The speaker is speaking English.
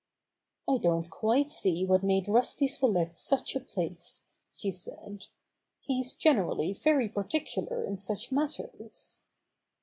"I don't quite see what made Rusty select such a place," she said. "He's generally very particular in such matters."